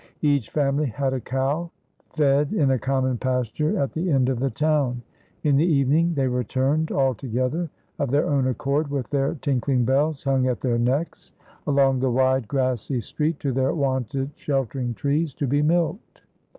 "Each family had a cow, fed in a common pasture at the end of the town. In the evening they returned all together, of their own accord, with their tinkling bells hung at their necks, along the wide and grassy street, to their wonted sheltering trees, to be milked.